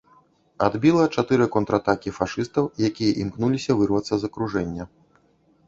Адбіла чатыры контратакі фашыстаў, якія імкнуліся вырвацца з акружэння.